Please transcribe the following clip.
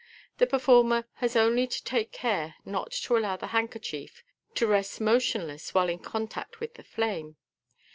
The per former has only to take care not to allow the handkerchief to rest motionless while in contact with the flame.